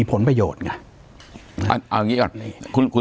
ปากกับภาคภูมิ